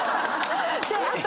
あと